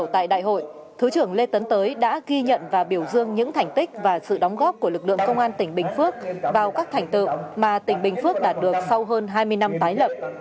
tại đại hội thứ trưởng lê tấn tới đã ghi nhận và biểu dương những thành tích và sự đóng góp của lực lượng công an tỉnh bình phước vào các thành tựu mà tỉnh bình phước đạt được sau hơn hai mươi năm tái lập